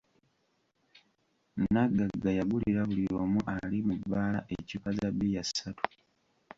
Nagagga yagulira buli omu ali mu bbaala eccupa za bbiya ssatu.